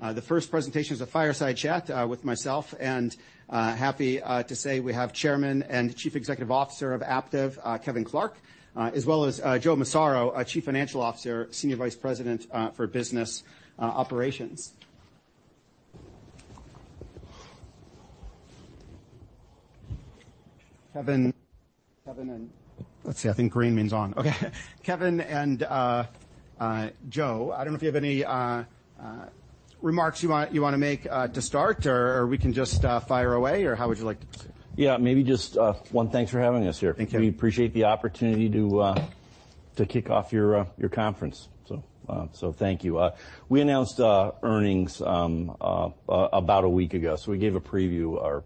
The first presentation is a fireside chat with myself, and happy to say we have Chairman and Chief Executive Officer of Aptiv, Kevin Clark, as well as Joe Massaro, our Chief Financial Officer, Senior Vice President for Business Operations. Kevin, Kevin, let's see, I think green means on. Okay, Kevin and Joe, I don't know if you have any remarks you want, you wanna make to start, or we can just fire away, or how would you like to? Yeah, maybe just, one, thanks for having us here. Thank you. We appreciate the opportunity to, to kick off your, your conference. So thank you. We announced earnings, about a week ago, so we gave a preview or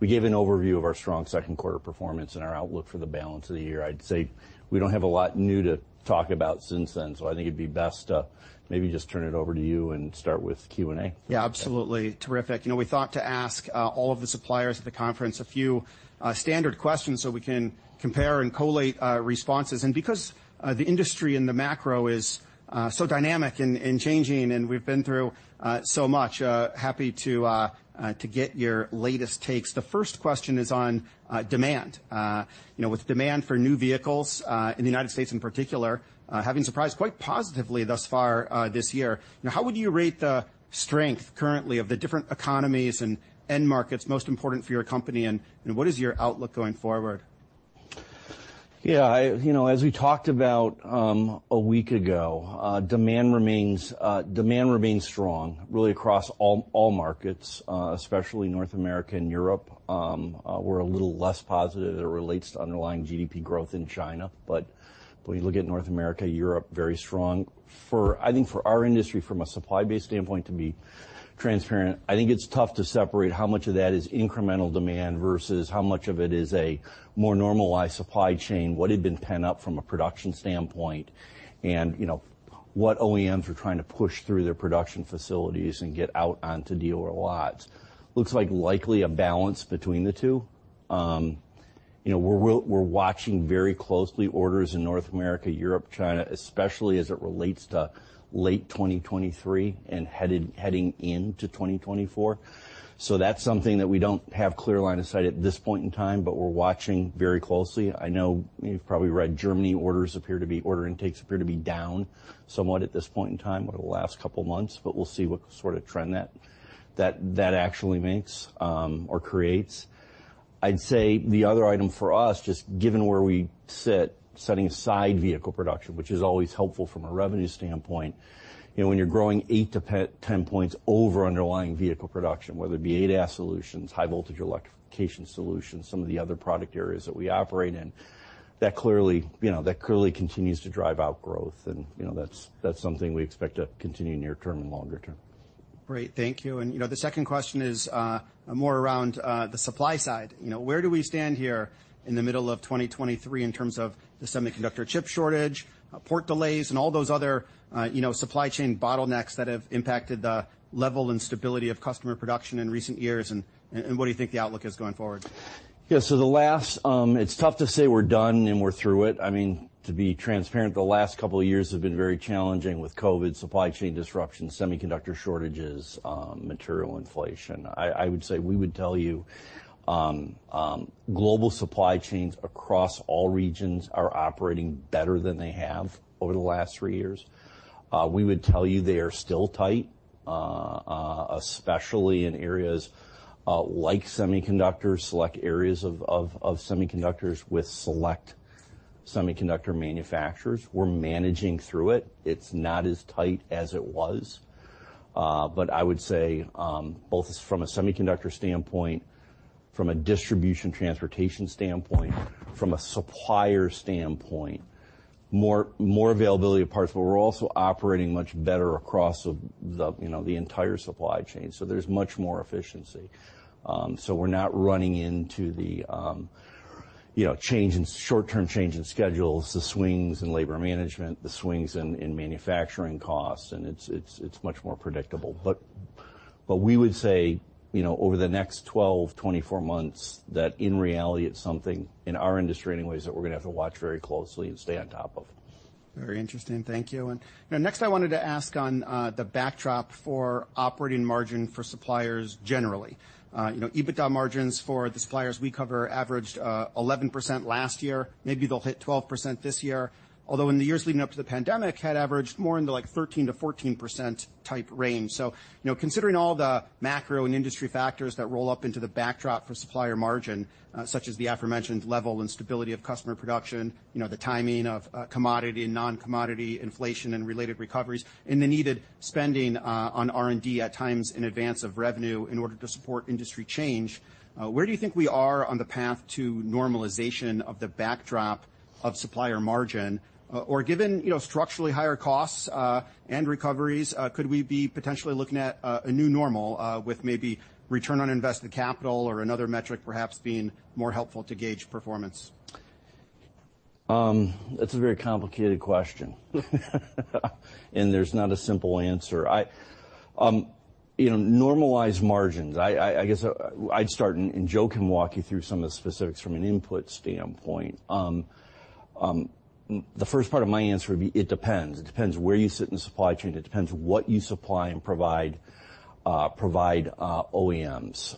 we gave an overview of our strong second quarter performance and our outlook for the balance of the year. I'd say we don't have a lot new to talk about since then, so I think it'd be best to maybe just turn it over to you and start with Q&A. Yeah, absolutely. Terrific. You know, we thought to ask all of the suppliers at the conference a few standard questions so we can compare and collate responses. Because the industry and the macro is so dynamic and changing, and we've been through so much, happy to get your latest takes. The first question is on demand. You know, with demand for new vehicles in the United States in particular, having surprised quite positively thus far this year, now, how would you rate the strength currently of the different economies and end markets most important for your company, and what is your outlook going forward? Yeah, I... You know, as we talked about, a week ago, demand remains, demand remains strong, really across all, all markets, especially North America and Europe. We're a little less positive as it relates to underlying GDP growth in China, when you look at North America, Europe, very strong. I think for our industry, from a supply-based standpoint, to be transparent, I think it's tough to separate how much of that is incremental demand versus how much of it is a more normalized supply chain, what had been pent up from a production standpoint, and, you know, what OEMs are trying to push through their production facilities and get out onto dealer lots. Looks like likely a balance between the two. You know, we're, we're watching very closely orders in North America, Europe, China, especially as it relates to late 2023 and heading into 2024. That's something that we don't have clear line of sight at this point in time, but we're watching very closely. I know you've probably read Germany orders, order intakes appear to be down somewhat at this point in time over the last couple of months, but we'll see what sort of trend that, that, that actually makes or creates. I'd say the other item for us, just given where we sit, setting aside vehicle production, which is always helpful from a revenue standpoint, you know, when you're growing eight to 10 points over underlying vehicle production, whether it be ADAS solutions, high voltage electrification solutions, some of the other product areas that we operate in, that clearly, you know, that clearly continues to drive out growth, and, you know, that's, that's something we expect to continue near term and longer term. Great. Thank you. You know, the second question is more around the supply side. You know, where do we stand here in the middle of 2023 in terms of the semiconductor chip shortage, port delays, and all those other, you know, supply chain bottlenecks that have impacted the level and stability of customer production in recent years, and, and, and what do you think the outlook is going forward? Yeah, the last, it's tough to say we're done, and we're through it. I mean, to be transparent, the last co years have been very challenging with COVID, supply chain disruptions, semiconductor shortages, material inflation. I, I would say we would tell you, global supply chains across all regions are operating better than they have over the last three years. We would tell you they are still tight, especially in areas like semiconductors, select areas of, of, of semiconductors with select semiconductor manufacturers. We're managing through it. It's not as tight as it was, but I would say, both from a semiconductor standpoint, from a distribution transportation standpoint, from a supplier standpoint, more, more availability of parts, but we're also operating much better across the, the, you know, the entire supply chain, so there's much more efficiency. We're not running into the, you know, change in, short-term change in schedules, the swings in labor management, the swings in, in manufacturing costs, and it's much more predictable. We would say, you know, over the next 12, 24 months, that in reality, it's something, in our industry anyways, that we're gonna have to watch very closely and stay on top of. Very interesting. Thank you. Now, next, I wanted to ask on the backdrop for operating margin for suppliers generally. You know, EBITDA margins for the suppliers we cover averaged 11% last year. Maybe they'll hit 12% this year, although in the years leading up to the pandemic, had averaged more in the, like, 13%-14% type range. You know, considering all the macro and industry factors that roll up into the backdrop for supplier margin, such as the aforementioned level and stability of customer production, you know, the timing of commodity and non-commodity inflation and related recoveries, and the needed spending on R&D at times in advance of revenue in order to support industry change, where do you think we are on the path to normalization of the backdrop of supplier margin? Given, you know, structurally higher costs, and recoveries, could we be potentially looking at a, a new normal, with maybe return on invested capital or another metric perhaps being more helpful to gauge performance? That's a very complicated question. There's not a simple answer. I, you know, normalized margins, I, I, I guess I'd start, and, Joe can walk you through some of the specifics from an input standpoint. The first part of my answer would be, it depends. It depends where you sit in the supply chain. It depends what you supply and provide, provide, OEMs.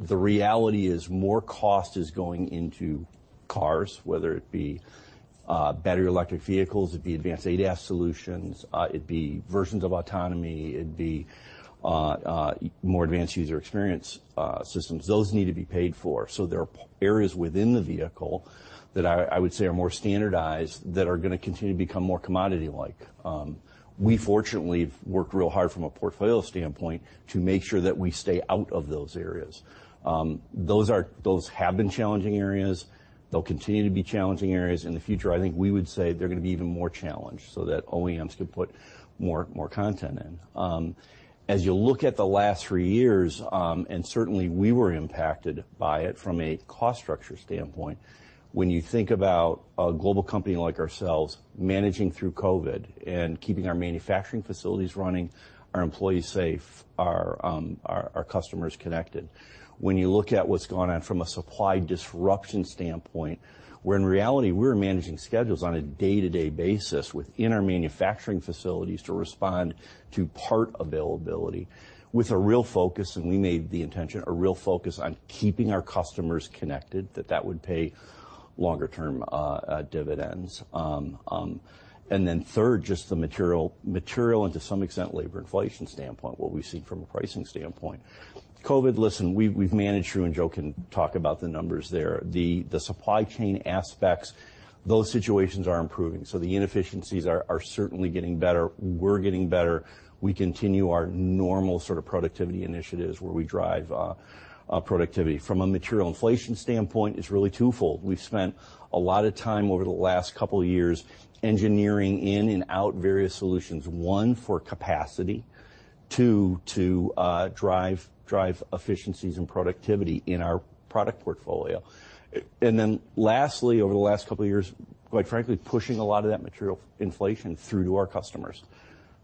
The reality is more cost is going into cars, whether it be, battery electric vehicles, it'd be advanced ADAS solutions, it'd be versions of autonomy, it'd be, more advanced user experience, systems. Those need to be paid for. There are areas within the vehicle that I, I would say are more standardized, that are gonna continue to become more commodity-like. We fortunately have worked real hard from a portfolio standpoint to make sure that we stay out of those areas. Those have been challenging areas, they'll continue to be challenging areas in the future. I think we would say they're gonna be even more challenged so that OEMs can put more, more content in. As you look at the last three years, and certainly we were impacted by it from a cost structure standpoint, when you think about a global company like ourselves managing through COVID and keeping our manufacturing facilities running, our employees safe, our, our customers connected. When you look at what's gone on from a supply disruption standpoint, where in reality, we're managing schedules on a day-to-day basis within our manufacturing facilities to respond to part availability with a real focus, and we made the intention, a real focus on keeping our customers connected, that that would pay longer term, dividends. Then third, just the material, material, and to some extent, labor inflation standpoint, what we've seen from a pricing standpoint. COVID, listen, we've, we've managed, you and Joe can talk about the numbers there. The, the supply chain aspects, those situations are improving, so the inefficiencies are, are certainly getting better. We're getting better. We continue our normal sort of productivity initiatives, where we drive productivity. From a material inflation standpoint, it's really twofold. We've spent a lot of time over the last couple years engineering in and out various solutions. One, for capacity, two, to drive, drive efficiencies and productivity in our product portfolio. Lastly, over the last couple years, quite frankly, pushing a lot of that material inflation through to our customers.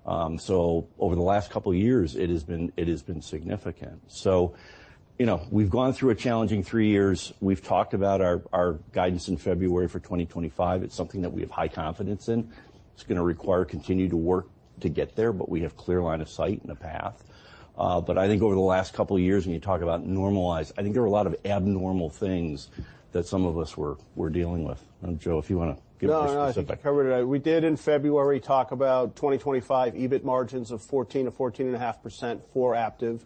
Over the last couple years, it has been, it has been significant. You know, we've gone through a challenging three years. We've talked about our, our guidance in February for 2025. It's something that we have high confidence in. It's gonna require continued work to get there, but we have clear line of sight and a path. I think over the last couple years, when you talk about normalized, I think there were a lot of abnormal things that some of us were, were dealing with. Joe, if you wanna give a specific- No, I think you covered it. We did in February, talk about 2025 EBIT margins of 14%-14.5% for Aptiv,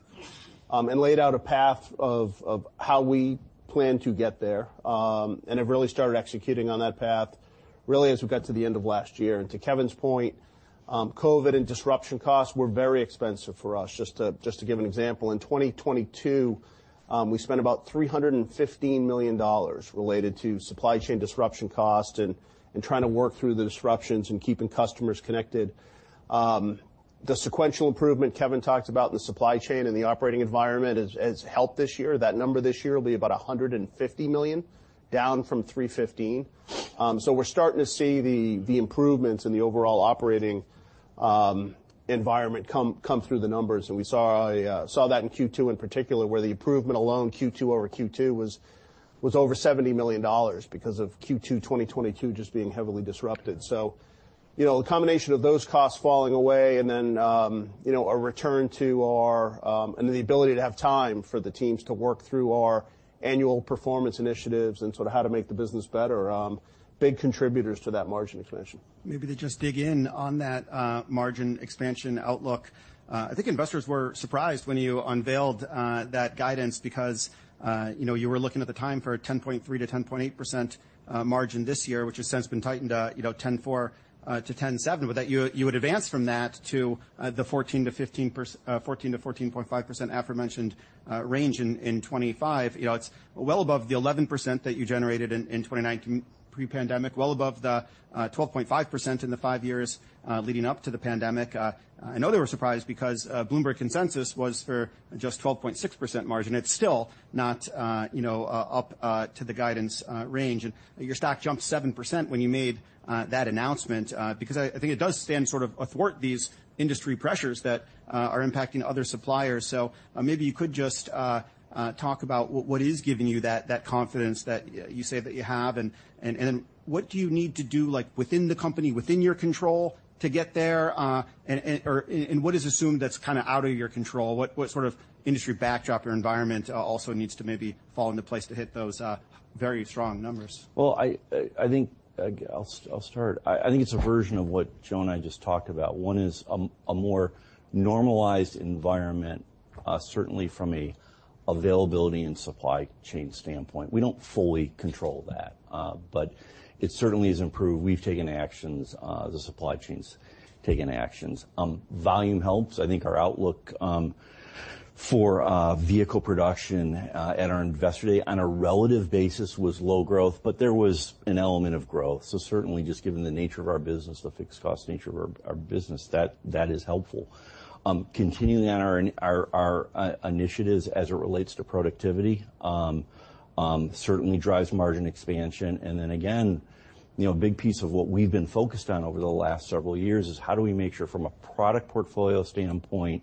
and laid out a path of, of how we plan to get there, and have really started executing on that path really as we got to the end of last year. To Kevin's point, COVID and disruption costs were very expensive for us. Just to, just to give an example, in 2022, we spent about $315 million related to supply chain disruption cost and, and trying to work through the disruptions and keeping customers connected. The sequential improvement Kevin talked about in the supply chain and the operating environment has, has helped this year. That number this year will be about $150 million, down from $315 million. We're starting to see the, the improvements in the overall operating environment come, come through the numbers. We saw, saw that in Q2 in particular, where the improvement alone, Q2 over Q2, was over $70 million because of Q2, 2022 just being heavily disrupted. You know, a combination of those costs falling away and then, you know, a return to our, the ability to have time for the teams to work through our annual performance initiatives and sort of how to make the business better, big contributors to that margin expansion. Maybe to just dig in on that, margin expansion outlook. I think investors were surprised when you unveiled that guidance because, you know, you were looking at the time for a 10.3%-10.8% margin this year, which has since been tightened to, you know, 10.4%-10.7%. That you, you would advance from that to the 14%-14.5% aforementioned range in 2025. You know, it's well above the 11% that you generated in 2019, pre-pandemic, well above the 12.5% in the five years leading up to the pandemic. I know they were surprised because Bloomberg consensus was for just 12.6% margin. It's still not, you know, up to the guidance range. Your stock jumped 7% when you made that announcement, because I, I think it does stand sort of athwart these industry pressures that are impacting other suppliers. Maybe you could just talk about what, what is giving you that, that confidence that you say that you have. What do you need to do, like, within the company, within your control to get there? Or what is assumed that's kinda out of your control? What, what sort of industry backdrop or environment also needs to maybe fall into place to hit those very strong numbers? Well, I, I think I'll, I'll start. I, I think it's a version of what Joe and I just talked about. One is a more normalized environment, certainly from a availability and supply chain standpoint. We don't fully control that, but it certainly has improved. We've taken actions, the supply chain's taken actions. Volume helps. I think our outlook for vehicle production at our Investor Day on a relative basis, was low growth, but there was an element of growth. Certainly, just given the nature of our business, the fixed cost nature of our, our business, that, that is helpful. Continuing on our our initiatives as it relates to productivity, certainly drives margin expansion. Again, you know, a big piece of what we've been focused on over the last several years is how do we make sure, from a product portfolio standpoint,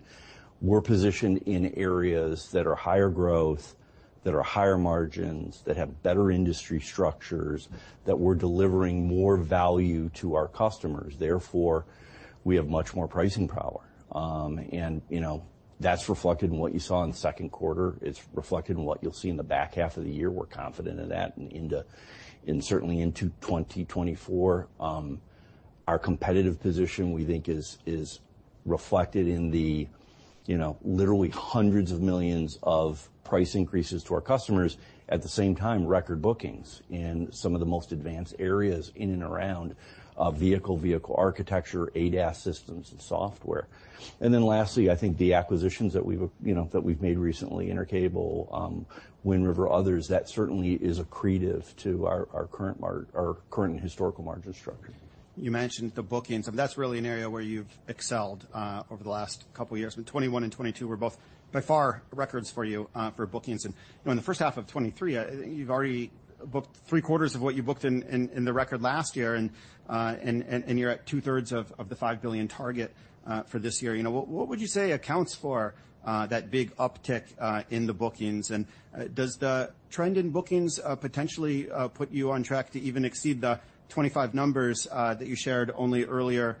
we're positioned in areas that are higher growth, that are higher margins, that have better industry structures, that we're delivering more value to our customers, therefore, we have much more pricing power. You know, that's reflected in what you saw in the 2Q. It's reflected in what you'll see in the back half of the year. We're confident in that and into, and certainly into 2024. Our competitive position, we think is, is reflected in the, you know, literally hundreds of millions of price increases to our customers. At the same time, record bookings in some of the most advanced areas in and around vehicle, vehicle architecture, ADAS systems, and software. Lastly, I think the acquisitions that we've, you know, that we've made recently, Intercable, Wind River, others, that certainly is accretive to our current historical margin structure. You mentioned the bookings, and that's really an area where you've excelled, over the last couple of years. 2021 and 2022 were both by far records for you, for bookings. You know, in the first half of 2023, you've already booked three-quarters of what you booked in, in, in the record last year, and, and, and, and you're at two-thirds of, of the $5 billion target, for this year. You know, what, what would you say accounts for, that big uptick, in the bookings? Does the trend in bookings, potentially, put you on track to even exceed the 2025 numbers, that you shared only earlier,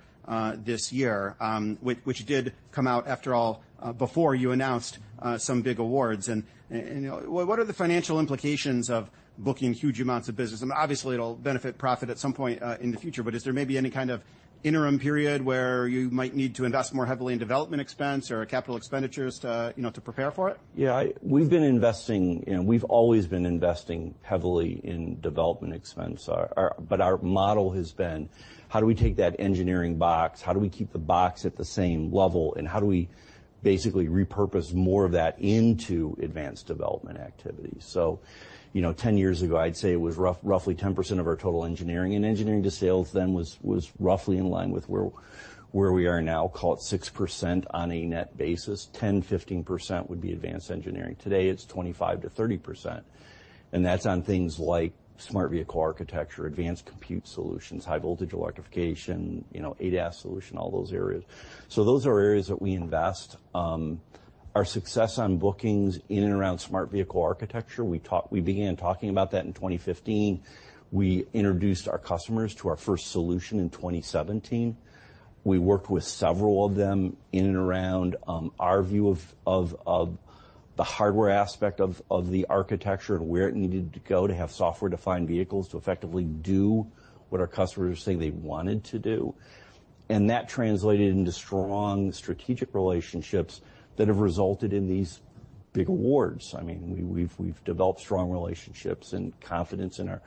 this year, which, which did come out, after all, before you announced, some big awards? You know, what, what are the financial implications of booking huge amounts of business? I mean, obviously, it'll benefit profit at some point in the future, but is there maybe any kind of interim period where you might need to invest more heavily in development expense or capital expenditures to, you know, to prepare for it? Yeah, we've been investing, and we've always been investing heavily in development expense. Our model has been, how do we take that engineering box, how do we keep the box at the same level, and how do we basically repurpose more of that into advanced development activities? You know, 10 years ago, I'd say it was roughly 10% of our total engineering, and engineering to sales then was, was roughly in line with where, where we are now, call it 6% on a net basis. 10-15% would be advanced engineering. Today, it's 25%-30%, and that's on things like Smart Vehicle Architecture, advanced compute solutions, high voltage electrification, you know, ADAS solution, all those areas. Those are areas that we invest. Our success on bookings in and around Smart Vehicle Architecture, we began talking about that in 2015. We introduced our customers to our first solution in 2017. We worked with several of them in and around our view of the hardware aspect of the architecture and where it needed to go to have software-defined vehicles to effectively do what our customers say they wanted to do. That translated into strong strategic relationships that have resulted in these big awards. I mean, we've, we've developed strong relationships and confidence in our,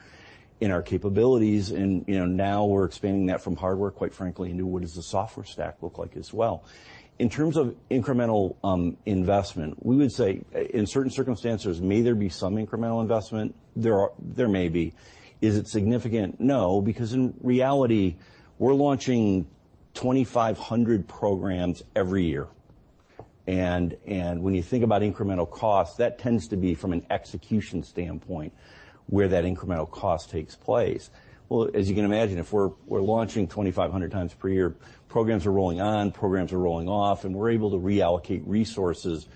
in our capabilities, and, you know, now we're expanding that from hardware, quite frankly, into what does the software stack look like as well. In terms of incremental investment, we would say, in certain circumstances, may there be some incremental investment? There may be. Is it significant? No, because in reality, we're launching 2,500 programs every year. When you think about incremental costs, that tends to be from an execution standpoint, where that incremental cost takes place. Well, as you can imagine, if we're, we're launching 2,500 times per year, programs are rolling on, programs are rolling off, and we're able to reallocate resources,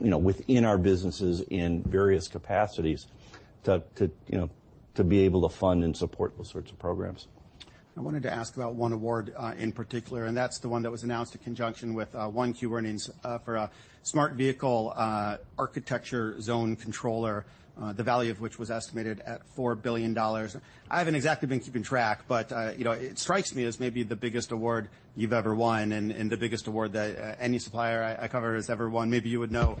you know, within our businesses in various capacities to, to, you know, to be able to fund and support those sorts of programs. I wanted to ask about one award in particular, and that's the one that was announced in conjunction with 1Q earnings for a Smart Vehicle Architecture zone controller, the value of which was estimated at $4 billion. I haven't exactly been keeping track, but, you know, it strikes me as maybe the biggest award you've ever won and, and the biggest award that any supplier I, I cover has ever won. Maybe you would know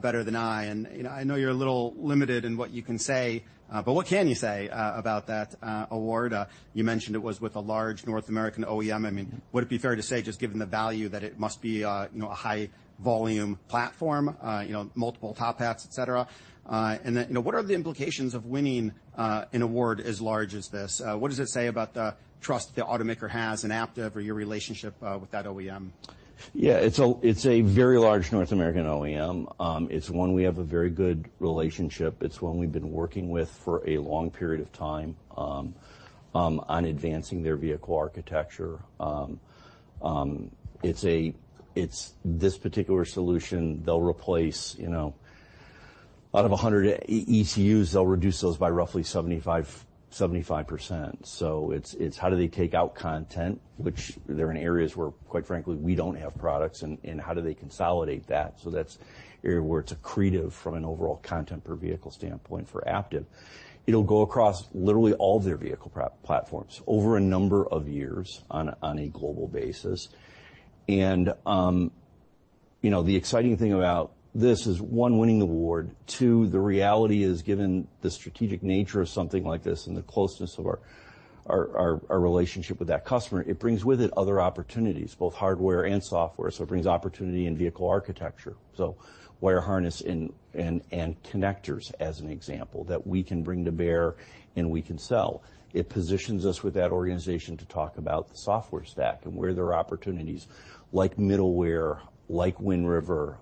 better than I. You know, I know you're a little limited in what you can say, but what can you say about that award? You mentioned it was with a large North American OEM. I mean, would it be fair to say, just given the value, that it must be a, you know, a high volume platform, you know, multiple top hats, et cetera? Then, you know, what are the implications of winning an award as large as this? What does it say about the trust the automaker has in Aptiv or your relationship with that OEM? Yeah, it's a, it's a very large North American OEM. It's one we have a very good relationship. It's one we've been working with for a long period of time on advancing their vehicle architecture. It's this particular solution, they'll replace, you know, out of 100 ECUs, they'll reduce those by roughly 75, 75%. It's, it's how do they take out content, which they're in areas where, quite frankly, we don't have products, and, and how do they consolidate that? That's an area where it's accretive from an overall content per vehicle standpoint for Aptiv. It'll go across literally all of their vehicle platforms over a number of years on a, on a global basis. You know, the exciting thing about this is, one, winning the award, two, the reality is, given the strategic nature of something like this and the closeness of our, our, our, our relationship with that customer, it brings with it other opportunities, both hardware and software. It brings opportunity in vehicle architecture, so wire harness and, and, and connectors, as an example, that we can bring to bear and we can sell. It positions us with that organization to talk about the software stack and where there are opportunities like middleware, like Wind River,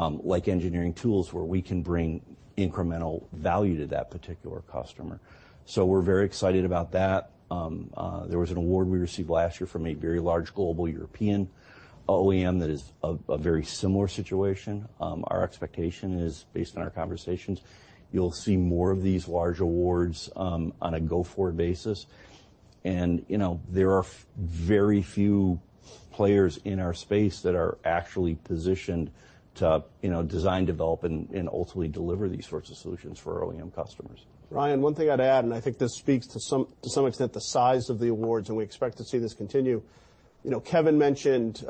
like engineering tools, where we can bring incremental value to that particular customer. We're very excited about that. There was an award we received last year from a very large global European OEM that is a, a very similar situation. Our expectation is, based on our conversations, you'll see more of these large awards, on a go-forward basis. You know, there are very few players in our space that are actually positioned to, you know, design, develop, and, and ultimately deliver these sorts of solutions for OEM customers. Ryan, one thing I'd add, I think this speaks to some, to some extent, the size of the awards, and we expect to see this continue. You know, Kevin mentioned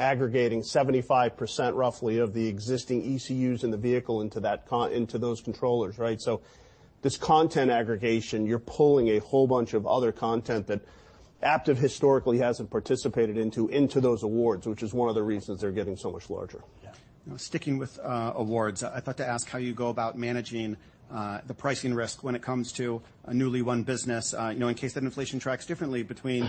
aggregating 75% roughly of the existing ECUs in the vehicle into those controllers, right? This content aggregation, you're pulling a whole bunch of other content that Aptiv historically hasn't participated into, into those awards, which is one of the reasons they're getting so much larger. Yeah. Sticking with awards, I'd thought to ask how you go about managing the pricing risk when it comes to a newly won business, you know, in case that inflation tracks differently between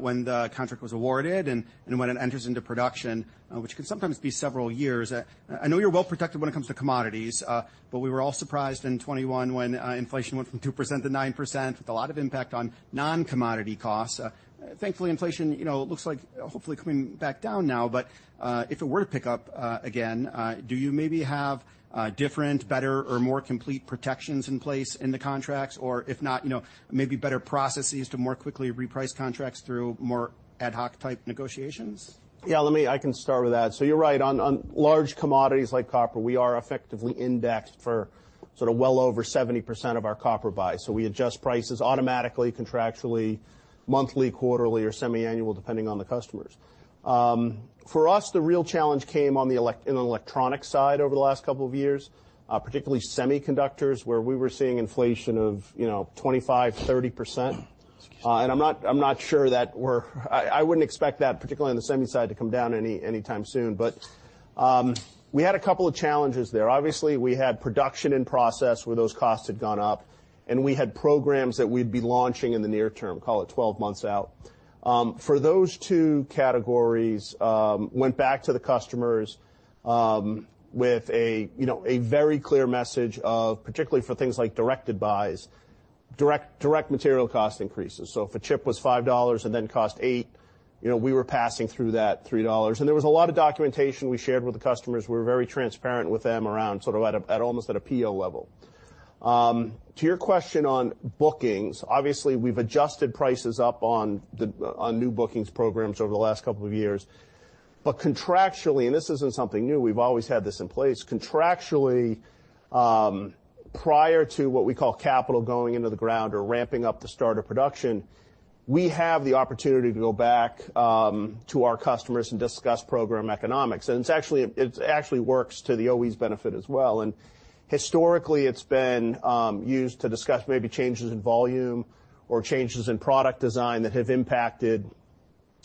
when the contract was awarded and when it enters into production, which can sometimes be several years. I know you're well protected when it comes to commodities, but we were all surprised in 2021 when inflation went from 2%-9%, with a lot of impact on non-commodity costs. Thankfully, inflation, you know, looks like hopefully coming back down now, but if it were to pick up again, do you maybe have different, better, or more complete protections in place in the contracts? If not, you know, maybe better processes to more quickly reprice contracts through more ad hoc type negotiations? Yeah, let me I can start with that. You're right, on, on large commodities like copper, we are effectively indexed for sort of well over 70% of our copper buys. We adjust prices automatically, contractually, monthly, quarterly, or semiannual, depending on the customers. For us, the real challenge came on the electronics side over the last couple of years, particularly semiconductors, where we were seeing inflation of, you know, 25%-30%. Excuse me. I'm not, I'm not sure that we're. I wouldn't expect that, particularly on the semi side, to come down anytime soon. We had a couple of challenges there. Obviously, we had production in process where those costs had gone up, and we had programs that we'd be launching in the near term, call it 12 months out. For those 2 categories, went back to the customers, with a, you know, a very clear message of, particularly for things like directed buys, direct material cost increases. If a chip was $5 and then cost $8, you know, we were passing through that $3. There was a lot of documentation we shared with the customers. We were very transparent with them around, sort of at almost at a PO level. To your question on bookings, obviously, we've adjusted prices up on the, on new bookings programs over the last couple of years. Contractually, and this isn't something new, we've always had this in place, contractually, prior to what we call capital going into the ground or ramping up the start of production, we have the opportunity to go back to our customers and discuss program economics. It's actually, it actually works to the OE's benefit as well. Historically, it's been used to discuss maybe changes in volume or changes in product design that have impacted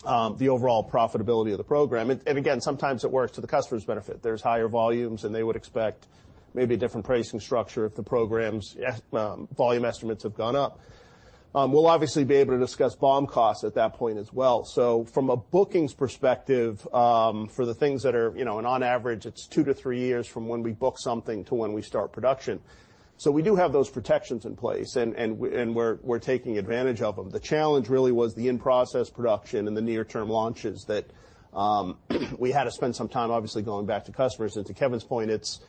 the overall profitability of the program. Again, sometimes it works to the customer's benefit. There's higher volumes, and they would expect maybe a different pricing structure if the program's volume estimates have gone up. We'll obviously be able to discuss BOM costs at that point as well. From a bookings perspective, for the things that are, you know... On average, it's two to three years from when we book something to when we start production. We do have those protections in place, and we're taking advantage of them. The challenge really was the in-process production and the near-term launches that we had to spend some time, obviously, going back to customers. To Kevin's point, it's,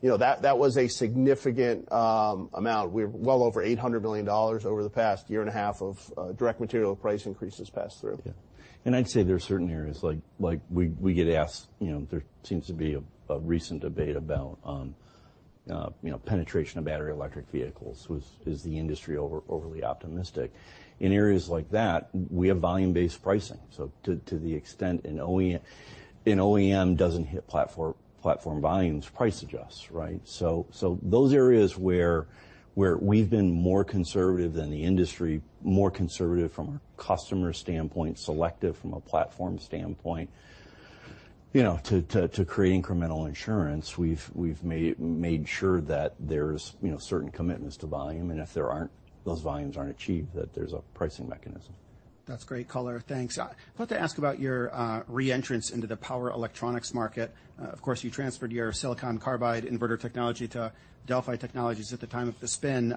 you know, that, that was a significant amount. We're well over $800 million over the past year and a half of direct material price increases passed through. Yeah. I'd say there are certain areas, like, like, we, we get asked, you know, there seems to be a, a recent debate about, you know, penetration of battery electric vehicles. Is the industry overly optimistic? In areas like that, we have volume-based pricing, so to, to the extent an OE, an OEM doesn't hit platform, platform volumes, price adjusts, right? Those areas where, where we've been more conservative than the industry, more conservative from a customer standpoint, selective from a platform standpoint, you know, to, to, to create incremental insurance, we've, we've made, made sure that there's, you know, certain commitments to volume, and if there aren't, those volumes aren't achieved, that there's a pricing mechanism. That's great color. Thanks. I'd thought to ask about your re-entrance into the power electronics market. Of course, you transferred your silicon carbide inverter technology to Delphi Technologies at the time of the spin.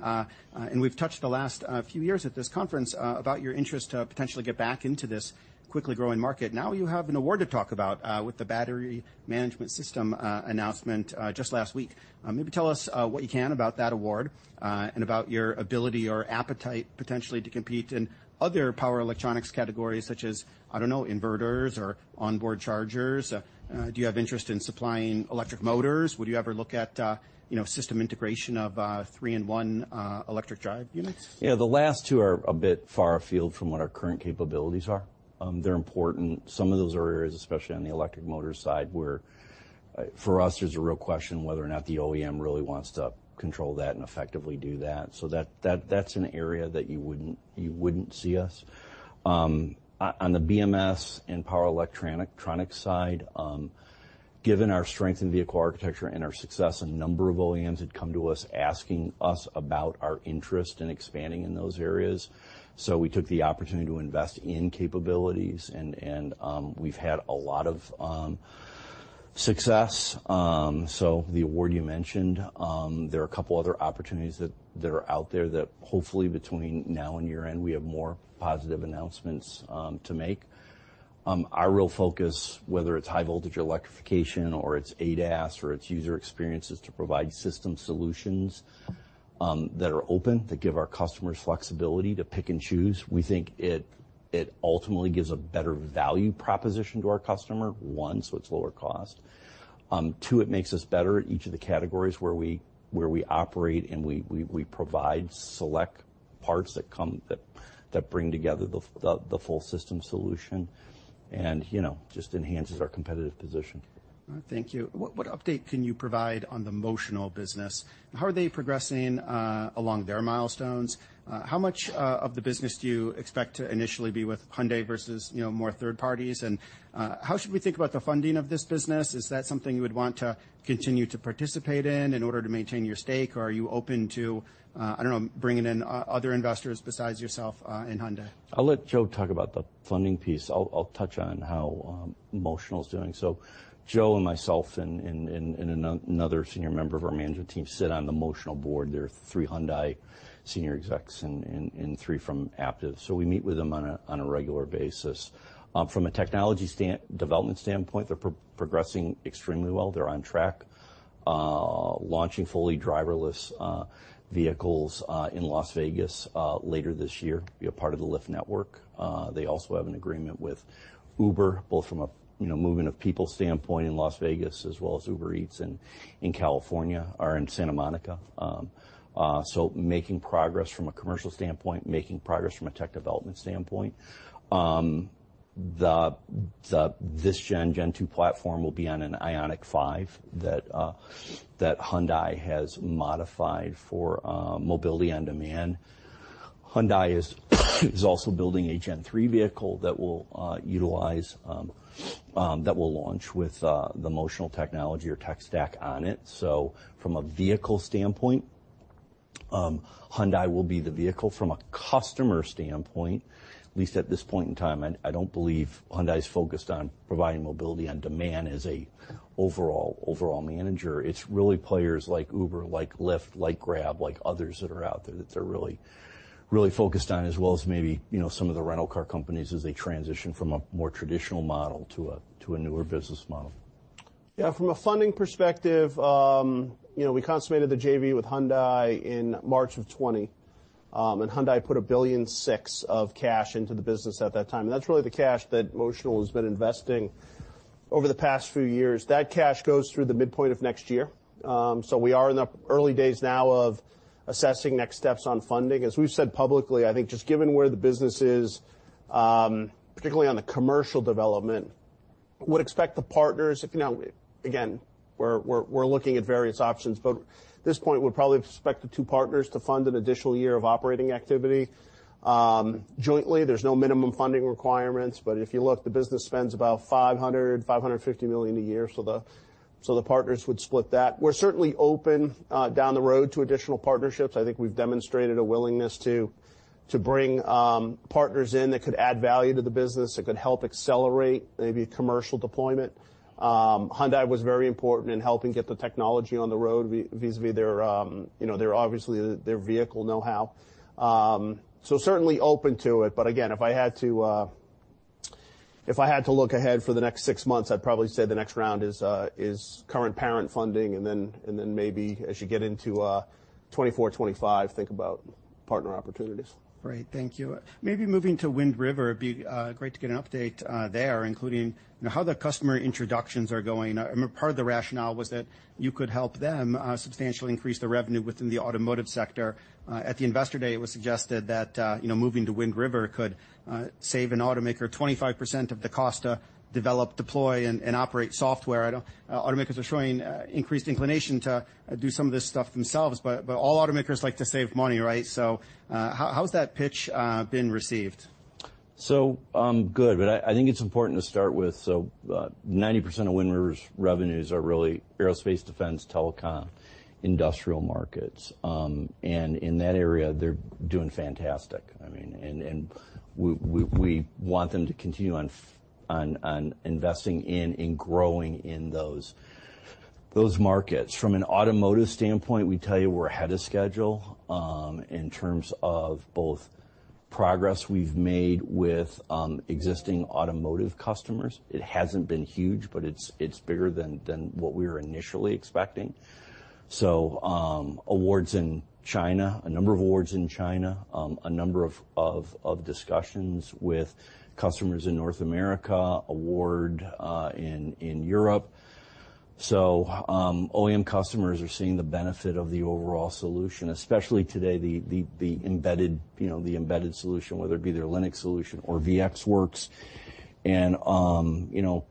And we've touched the last few years at this conference about your interest to potentially get back into this quickly growing market. Now, you have an award to talk about with the battery management system announcement just last week. Maybe tell us what you can about that award and about your ability or appetite potentially to compete in other power electronics categories, such as, I don't know, inverters or onboard chargers. Do you have interest in supplying electric motors? Would you ever look at, you know, system integration of three-in-one electric drive units? Yeah, the last two are a bit far afield from what our current capabilities are. They're important. Some of those are areas, especially on the electric motor side, where, for us, there's a real question whether or not the OEM really wants to control that and effectively do that. That, that's an area that you wouldn't, you wouldn't see us. On the BMS and power electronics side, given our strength in vehicle architecture and our success, a number of OEMs had come to us, asking us about our interest in expanding in those areas. We took the opportunity to invest in capabilities, and we've had a lot of success. So the award you mentioned, there are a couple other opportunities that are out there that hopefully between now and year-end, we have more positive announcements to make. Our real focus, whether it's high voltage electrification or it's ADAS or it's user experience, is to provide system solutions that are open, that give our customers flexibility to pick and choose. We think it ultimately gives a better value proposition to our customer, one, so it's lower cost. Two, it makes us better at each of the categories where we operate, and we provide parts that come, that bring together the full system solution, and, you know, just enhances our competitive position. Thank you. What, what update can you provide on the Motional business? How are they progressing along their milestones? How much of the business do you expect to initially be with Hyundai versus, you know, more third parties? How should we think about the funding of this business? Is that something you would want to continue to participate in in order to maintain your stake, or are you open to, I don't know, bringing in other investors besides yourself and Hyundai? I'll let Joe talk about the funding piece. I'll, I'll touch on how Motional's doing. Joe and myself and another senior member of our management team sit on the Motional board. There are three Hyundai senior execs and three from Aptiv, so we meet with them on a regular basis. From a technology development standpoint, they're progressing extremely well. They're on track launching fully driverless vehicles in Las Vegas later this year, be a part of the Lyft network. They also have an agreement with Uber, both from a, you know, movement of people standpoint in Las Vegas, as well as Uber Eats in California or in Santa Monica. Making progress from a commercial standpoint, making progress from a tech development standpoint. This gen two platform will be on an IONIQ 5 that that Hyundai has modified for mobility on demand. Hyundai is also building a gen three vehicle that will utilize that will launch with the Motional technology or tech stack on it. From a vehicle standpoint, Hyundai will be the vehicle. From a customer standpoint, at least at this point in time, I, I don't believe Hyundai's focused on providing mobility on demand as a overall manager. It's really players like Uber, like Lyft, like Grab, like others that are out there, that they're really, really focused on, as well as maybe, you know, some of the rental car companies as they transition from a more traditional model to a, to a newer business model. Yeah, from a funding perspective, you know, we consummated the JV with Hyundai in March of 2020, and Hyundai put $1.6 billion of cash into the business at that time, and that's really the cash that Motional has been investing over the past few years. That cash goes through the midpoint of next year. We are in the early days now of assessing next steps on funding. As we've said publicly, I think just given where the business is, particularly on the commercial development, would expect the partners... You know, again, we're, we're, we're looking at various options, but at this point, we'd probably expect the two partners to fund an additional year of operating activity, jointly. There's no minimum funding requirements, but if you look, the business spends about $500 million-$550 million a year, so the partners would split that. We're certainly open down the road to additional partnerships. I think we've demonstrated a willingness to bring partners in that could add value to the business, that could help accelerate maybe commercial deployment. Hyundai was very important in helping get the technology on the road vis-à-vis their, you know, their, obviously, their vehicle know-how. Certainly open to it, but again, if I had to, if I had to look ahead for the next six months, I'd probably say the next round is current parent funding. Maybe as you get into 2024, 2025, think about partner opportunities. Great. Thank you. Maybe moving to Wind River, it'd be great to get an update there, including, you know, how the customer introductions are going. Part of the rationale was that you could help them substantially increase their revenue within the automotive sector. At the Investor Day, it was suggested that, you know, moving to Wind River could save an automaker 25% of the cost to develop, deploy, and operate software. Automakers are showing increased inclination to do some of this stuff themselves, but all automakers like to save money, right? How's that pitch been received? Good, but I, I think it's important to start with, 90% of Wind River's revenues are really aerospace, defense, telecom, industrial markets. In that area, they're doing fantastic. I mean, and, and we, we, we want them to continue on investing in and growing in those, those markets. From an automotive standpoint, we'd tell you we're ahead of schedule in terms of both progress we've made with existing automotive customers. It hasn't been huge, but it's, it's bigger than, than what we were initially expecting. Awards in China, a number of awards in China, a number of, of, of discussions with customers in North America, award in, in Europe. OEM customers are seeing the benefit of the overall solution, especially today, the, the, the embedded, you know, the embedded solution, whether it be their Linux solution or VxWorks. You know,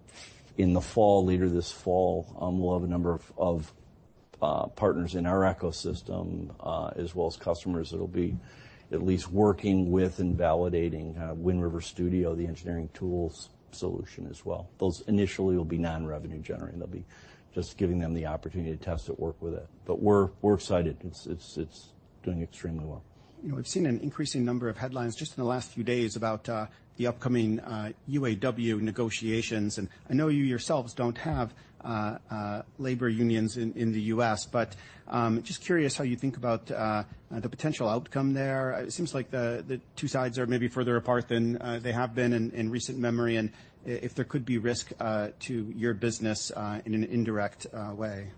in the fall, later this fall, we'll have a number of, of partners in our ecosystem, as well as customers that'll be at least working with and validating kind of Wind River Studio, the engineering tools solution as well. Those initially will be non-revenue generating. They'll be just giving them the opportunity to test it, work with it, but we're, we're excited. It's, it's, it's doing extremely well. You know, we've seen an increasing number of headlines just in the last few days about the upcoming UAW negotiations, I know you yourselves don't have labor unions in the U.S. Just curious how you think about the potential outcome there. It seems like the two sides are maybe further apart than they have been in recent memory, and if there could be risk to your business in an indirect way.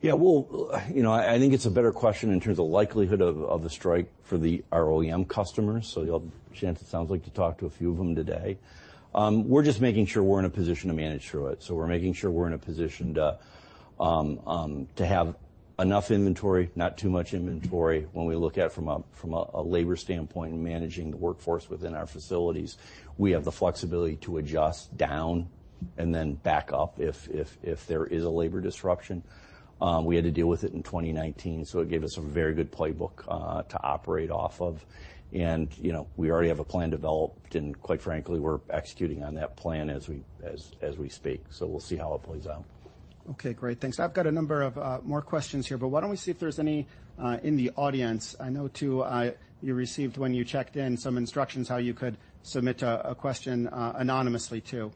Yeah, well, you know, I think it's a better question in terms of likelihood of, of the strike for the, our OEM customers, so you'll. Ryan, it sounds like you talked to a few of them today. We're just making sure we're in a position to manage through it, so we're making sure we're in a position to enough inventory, not too much inventory. When we look at from a, from a, a labor standpoint and managing the workforce within our facilities, we have the flexibility to adjust down and then back up if, if, if there is a labor disruption. We had to deal with it in 2019, so it gave us a very good playbook to operate off of. You know, we already have a plan developed, and quite frankly, we're executing on that plan as we speak. We'll see how it plays out. Okay, great. Thanks. I've got a number of more questions here, but why don't we see if there's any in the audience? I know, too, you received, when you checked in, some instructions how you could submit a question anonymously, too.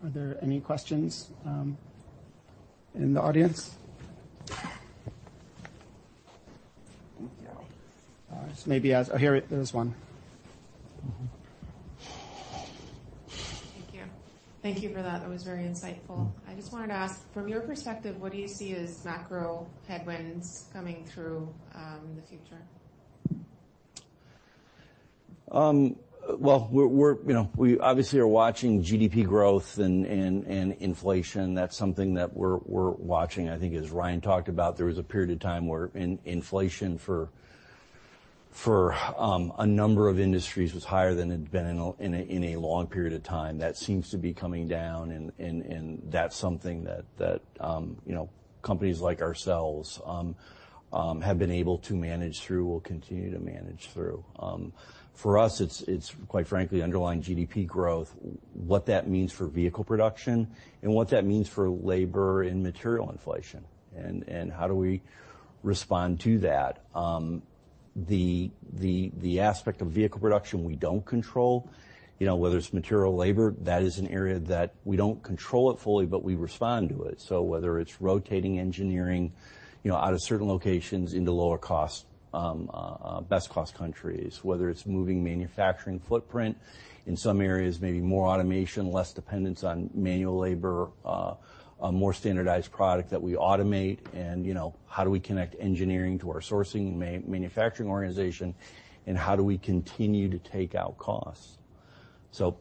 Are there any questions in the audience? Thank you. Oh, here, there's one. Thank you. Thank you for that. That was very insightful. I just wanted to ask, from your perspective, what do you see as macro headwinds coming through in the future? Well, we're, we're, you know, we obviously are watching GDP growth and inflation. That's something that we're, we're watching. I think as Ryan talked about, there was a period of time where inflation for a number of industries was higher than it had been in a long period of time. That seems to be coming down, and that's something that, you know, companies like ourselves, have been able to manage through, will continue to manage through. For us, it's, it's quite frankly, underlying GDP growth, what that means for vehicle production and what that means for labor and material inflation, and how do we respond to that? The aspect of vehicle production we don't control, you know, whether it's material, labor, that is an area that we don't control it fully, but we respond to it. Whether it's rotating engineering, you know, out of certain locations into lower cost, best cost countries. Whether it's moving manufacturing footprint, in some areas, maybe more automation, less dependence on manual labor, a more standardized product that we automate, and, you know, how do we connect engineering to our sourcing and manufacturing organization, and how do we continue to take out costs?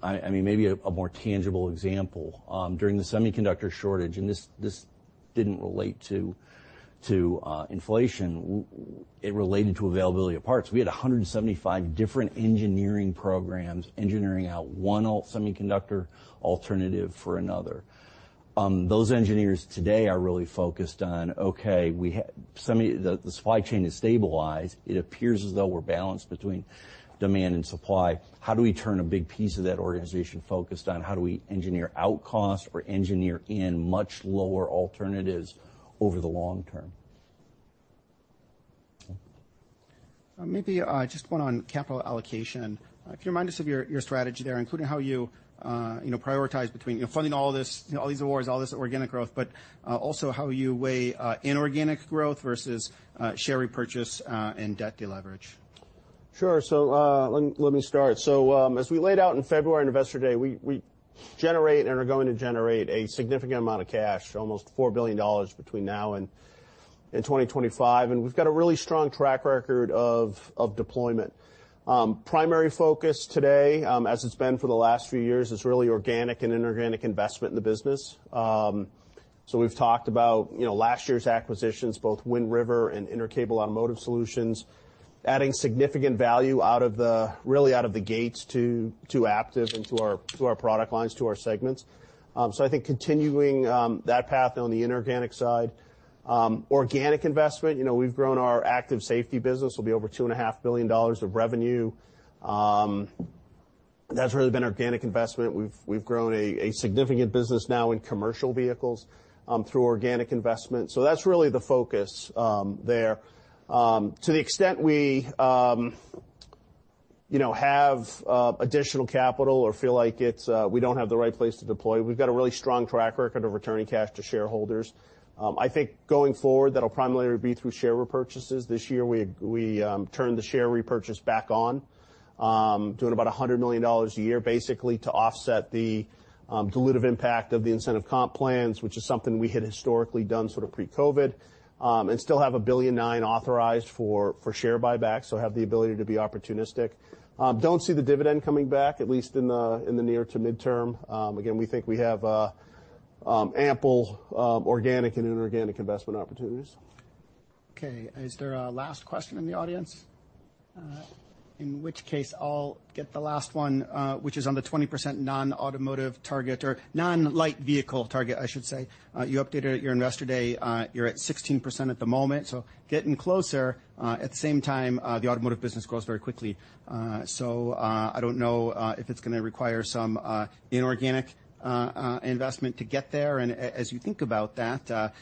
I mean, maybe a more tangible example, during the semiconductor shortage, and this, this didn't relate to inflation. It related to availability of parts. We had 175 different engineering programs, engineering out one semiconductor alternative for another. Those engineers today are really focused on, okay, the supply chain is stabilized. It appears as though we're balanced between demand and supply. How do we turn a big piece of that organization focused on how do we engineer out cost or engineer in much lower alternatives over the long term? Maybe just one on capital allocation. Could you remind us of your strategy there, including how you, you know, prioritize between, you know, funding all this, you know, all these awards, all this organic growth, but also how you weigh inorganic growth versus share repurchase and debt deleverage? Sure. Let, let me start. As we laid out in February Investor Day, we, we generate and are going to generate a significant amount of cash, almost $4 billion between now and 2025, and we've got a really strong track record of, of deployment. Primary focus today, as it's been for the last few years, is really organic and inorganic investment in the business. We've talked about, you know, last year's acquisitions, both Wind River and Intercable Automotive Solutions, adding significant value out of the, really, out of the gates to Aptiv and to our, to our product lines, to our segments. I think continuing that path on the inorganic side, organic investment, you know, we've grown our active safety business, will be over $2.5 billion of revenue. That's really been organic investment. We've grown a significant business now in commercial vehicles through organic investment, so that's really the focus there. To the extent we, you know, have additional capital or feel like it's we don't have the right place to deploy, we've got a really strong track record of returning cash to shareholders. I think going forward, that'll primarily be through share repurchases. This year, we turned the share repurchase back on, doing about $100 million a year, basically to offset the dilutive impact of the incentive comp plans, which is something we had historically done sort of pre-COVID, and still have $1.9 billion authorized for share buybacks, so have the ability to be opportunistic. Don't see the dividend coming back, at least in the, in the near to midterm. Again, we think we have ample organic and inorganic investment opportunities. Okay, is there a last question in the audience? In which case, I'll get the last one, which is on the 20% non-automotive target or non-light vehicle target, I should say. You updated at your Investor Day, you're at 16% at the moment, so getting closer. At the same time, the automotive business grows very quickly. So, I don't know, if it's gonna require some inorganic investment to get there. As you think about that,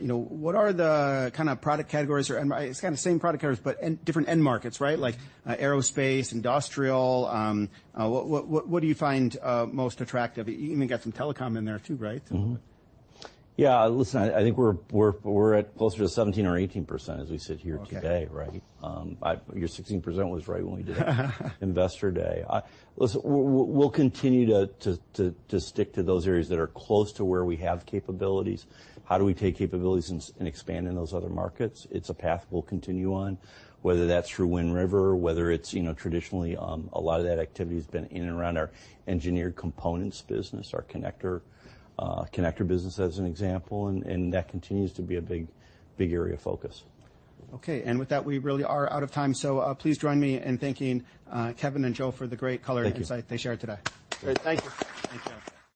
you know, what are the kind of product categories or, and it's kind of the same product categories, but different end markets, right? Like, aerospace, industrial, what, what, what do you find, most attractive? You even got some telecom in there, too, right? Mm-hmm. Yeah, listen, I, I think we're, we're, we're at closer to 17% or 18% as we sit here today, right? Okay. I... Your 16% was right when we did Investor Day. Listen, we'll, we'll, we'll continue to, to, to, to stick to those areas that are close to where we have capabilities. How do we take capabilities and expand in those other markets? It's a path we'll continue on, whether that's through Wind River, whether it's, you know, traditionally, a lot of that activity has been in and around our Engineered Components business, our connector, connector business, as an example, and that continues to be a big, big area of focus. Okay. With that, we really are out of time, please join me in thanking Kevin and Joe for the great color- Thank you. and insight they shared today. Great. Thank you. Thanks, Joe.